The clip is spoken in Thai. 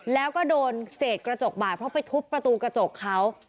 แล้วก็โดนเศษกระจกบาดเพราะไปทุบประตูกระจกเขา